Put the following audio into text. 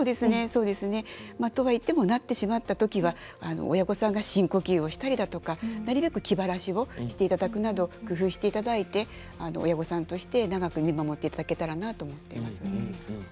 そうですね、とはいってもなってしまったときは親御さんが深呼吸をしたりだとかなるべく気晴らしをしていただくなど工夫していただいて親御さんとして長く見守っていただけたらなと思っています。